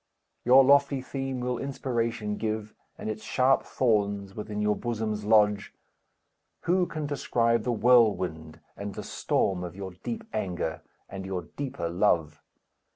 Your lofty theme will inspiration give, And its sharp thorns within your bosoms lodge. Who can describe the whirlwind and the storm Of your deep anger, and your deeper love?